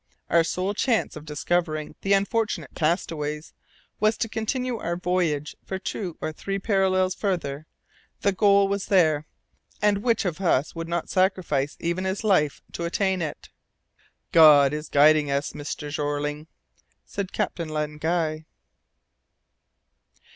Our sole chance of discovering the unfortunate castaways was to continue our voyage for two or three parallels farther; the goal was there, and which of us would not sacrifice even his life to attain it? "God is guiding us, Mr. Jeorling," said Captain Len Guy.